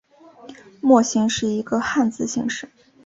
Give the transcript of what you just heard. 莫姓是一个汉字姓氏。